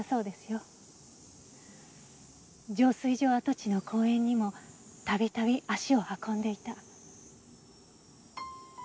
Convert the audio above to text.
浄水場跡地の公園にも度々足を運んでいた。